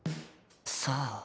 さあ。